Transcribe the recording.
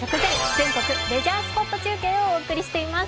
全国レジャースポット中継」をお送りしています。